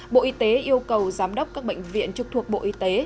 bộ y tế yêu cầu giám đốc các bệnh viện trực thuộc bộ y tế